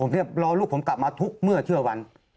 รอลูกผมกลับมาทุกเมื่อเชื่อวัน